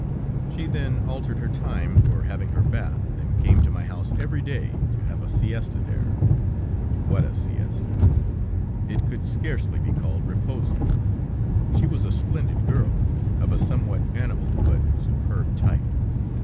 She then altered her time for having her bath, and came to my house every day, to have a siesta there. What a siesta! It could scarcely be called reposing! She was a splendid girl, of a somewhat animal, but superb type.